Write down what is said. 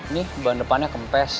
nih ban depannya kempes